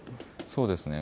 そうですね。